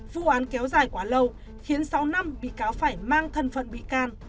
vụ án kéo dài quá lâu khiến sáu năm bị cáo phải mang thân phận bị can